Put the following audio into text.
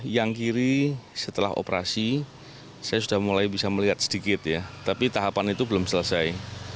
yang kiri setelah operasi saya sudah mulai bisa melihat sedikit ya tapi tahapan itu belum selesai